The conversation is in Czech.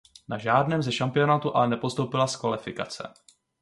Na žádném ze šampionátů ale nepostoupila z kvalifikace.